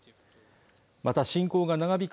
また侵攻が長引く